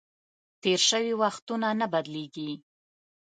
تېر شوي وختونه نه بدلیږي .